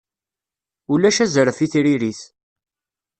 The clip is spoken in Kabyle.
Ulac azref i tririt.